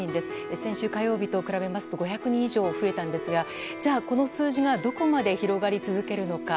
先週火曜日と比べますと５００人以上、増えたんですがじゃあ、この数字がどこまで広がり続けるのか。